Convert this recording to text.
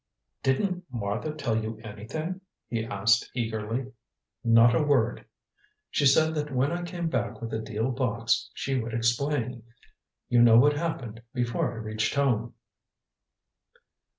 "Didn't Martha tell you anything?" he asked eagerly. "Not a word. She said that when I came back with the deal box she would explain. You know what happened before I reached home."